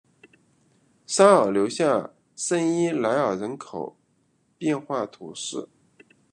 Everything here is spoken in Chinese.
沙尔留下圣伊莱尔人口变化图示